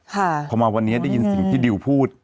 พอมาวันนี้ได้ยินสิ่งที่ดิวพูด